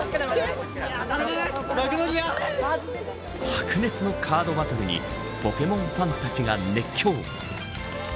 白熱のカードバトルにポケモンファンたちが熱狂。